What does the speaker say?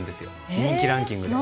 人気ランキングで。